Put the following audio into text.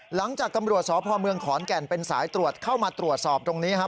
หลังจากตำรวจสพเมืองขอนแก่นเป็นสายตรวจเข้ามาตรวจสอบตรงนี้ครับ